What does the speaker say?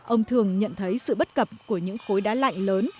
ông thường nhận thấy sự bất cập của những khối đá lạnh lớn